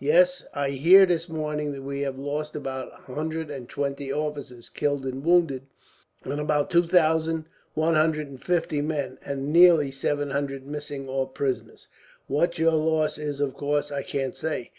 "Yes. I hear this morning that we have lost about a hundred and twenty officers killed and wounded, and about two thousand one hundred and fifty men, and nearly seven hundred missing or prisoners. What your loss is, of course, I can't say."